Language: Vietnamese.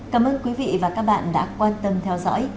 cảm ơn quý vị và các bạn đã quan tâm theo dõi